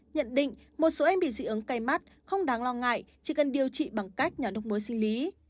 nhận định một số em bị dị ứng cay mắt không đáng lo ngại chỉ cần điều trị bằng cách nhỏ độc mối sinh lý